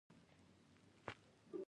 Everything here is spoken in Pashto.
هغې چوټې ښودې.